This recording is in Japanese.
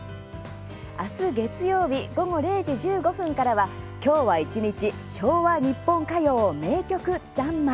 明日、月曜日午後０時１５分からは「今日は一日昭和ニッポン歌謡名曲三昧」。